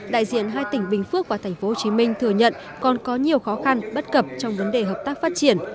đại diện hai tỉnh bình phước và tp hcm thừa nhận còn có nhiều khó khăn bất cập trong vấn đề hợp tác phát triển